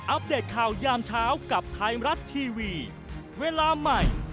เดตข่าวยามเช้ากับไทยรัฐทีวีเวลาใหม่